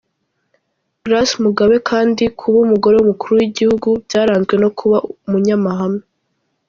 Grace Mugabe kandi kuba umugore w’umukuru w’igihugu byaranzwe no kuba umunyamahane.